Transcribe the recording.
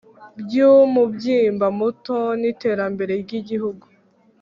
By umubyimba muto n iterambere ryigihugu